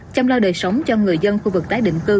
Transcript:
chăm lo đời sống cho người dân khu vực tái định cư